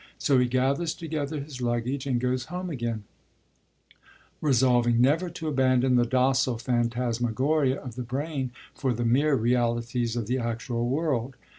So he gathers together his luggage, and goes home again, resolving never to abandon the 'docile phantasmagoria of the brain' for the mere realities of the actual world.